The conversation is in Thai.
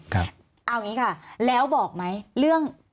เอาอย่างนี้ค่ะแล้วบอกไหมเรื่อง